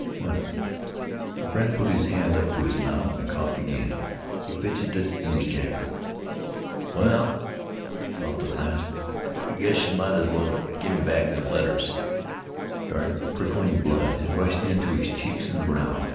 "What?" The friend put his hand up to his mouth and coughed again. He fidgeted in his jacket. "Well," he gulped, at last, "I guess yeh might as well give me back them letters." Dark, prickling blood had flushed into his cheeks and brow.